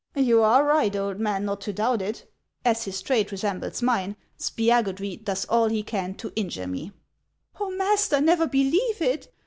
" You are right, old man, not to doubt it. As his trade HAXS OF ICELAND. 161 resembles mine, Spiagudry does all he can to injure me." " Oh, master, never believe it